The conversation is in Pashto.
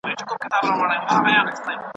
دا چاره هغه وخت ثمر ته رسيږي چي هڅه وشي.